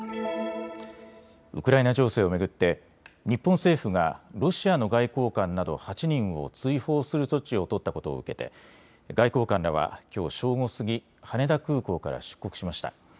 ウクライナ情勢を巡って日本政府がロシアの外交官など８人を追放する措置を取ったことを受けて外交官らはきょう正午過ぎ羽田空港から出国しました。